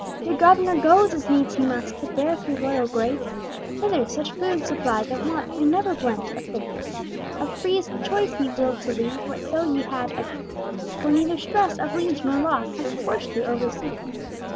"Your Governor goes, as needs he must, To bear through royal grace, Hither, such food supply, that want May never blench a face. "Of freest choice ye willed to leave What so ye had of ease; For neither stress of liege nor law Hath forced you over seas.